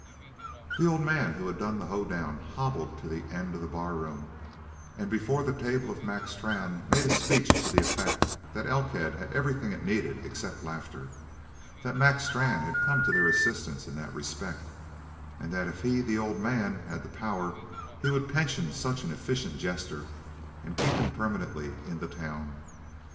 The old man who had done the hoe down hobbled to the end of the barroom and before the table of Mac Strann made a speech to the effect that Elkhead had everything it needed except laughter, that Mac Strann had come to their assistance in that respect, and that if he, the old man, had the power, he would pension such an efficient jester and keep him permanently in the town.